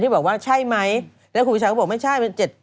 ที่บอกว่าใช่ไหมแล้วครูปีชาก็บอกไม่ใช่